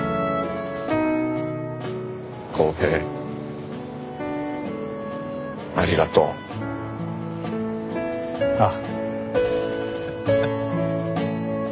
公平ありがとう。ああ。